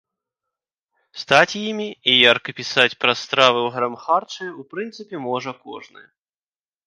Стаць імі і ярка пісаць пра стравы ў грамхарчы, у прынцыпе, можа кожны.